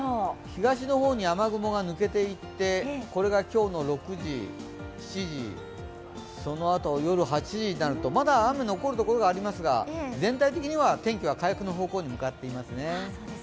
東の方に雨雲が抜けていってこれが今日の６時、７時、そのあと夜８時になるとまだ雨が残るところがありますが全体的には天気は回復の方向に向かっていますね。